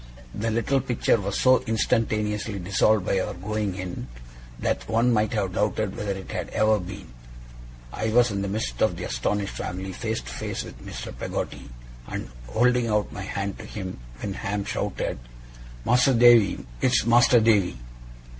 The little picture was so instantaneously dissolved by our going in, that one might have doubted whether it had ever been. I was in the midst of the astonished family, face to face with Mr. Peggotty, and holding out my hand to him, when Ham shouted: 'Mas'r Davy! It's Mas'r Davy!